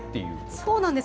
そうなんです。